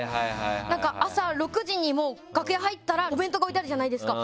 朝６時に楽屋入ったらお弁当が置いてあるじゃないですか。